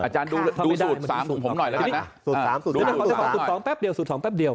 อาจารย์ดูสูตร๓ของผมหน่อยละครับนะสูตร๒แป๊บเดียวสูตร๒แป๊บเดียว